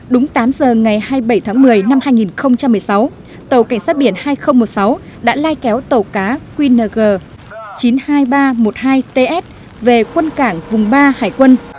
đúng tám giờ ngày hai mươi bảy tháng một mươi năm hai nghìn một mươi sáu tàu cảnh sát biển hai nghìn một mươi sáu đã lai kéo tàu cá qng chín mươi hai nghìn ba trăm một mươi hai ts về quân cảng vùng ba hải quân